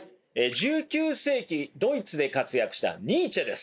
１９世紀にドイツで活躍したニーチェです。